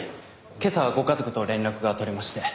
今朝ご家族と連絡が取れまして。